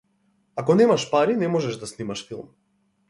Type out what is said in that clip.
Ако немаш пари, не можеш да снимаш филм.